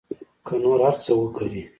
که نور هر څه وکري.